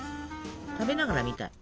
食べながら見たい。